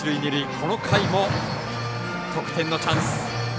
この回も得点のチャンス。